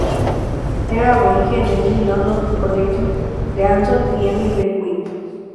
Era aborigen de New London, Connecticut, de Anson y Amy Beckwith.